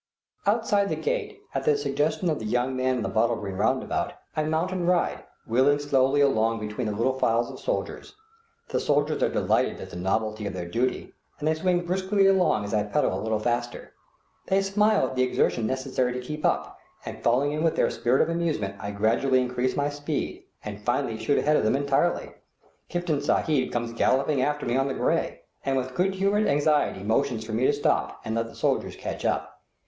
Outside the gate, at the suggestion of the young man in the bottle green roundabout, I mount and ride, wheeling slowly along between the little files of soldiers. The soldiers are delighted at the novelty of their duty, and they swing briskly along as I pedal a little faster. They smile at the exertion necessary to keep up, and falling in with their spirit of amusement, I gradually increase my speed, and finally shoot ahead of them entirely. Kiftan Sahib comes galloping after me on the gray, and with good humored anxiety motions for me to stop and let the soldiers catch up.